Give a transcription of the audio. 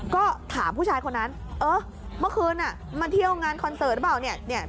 ก็ถามผู้ชายคนนั้นเออเมื่อคืนมาเที่ยวงานคอนเสิร์ตหรือเปล่าเนี่ย